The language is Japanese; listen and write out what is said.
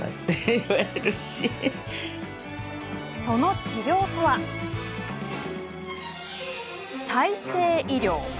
その治療とは、再生医療。